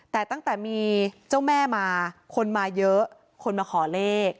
แต่ตั้งแต่มีเจ้าแม่มาคนมาเยอะคนมาขอเลข